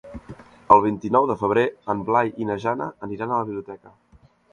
El vint-i-nou de febrer en Blai i na Jana aniran a la biblioteca.